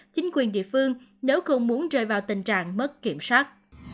chính quyền địa phương nếu không muốn rơi vào tình trạng mất kiểm soát